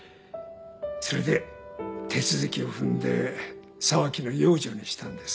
それで手続きを踏んで沢木の養女にしたんです。